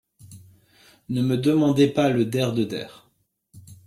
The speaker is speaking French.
Ne me demandez pas le der de der.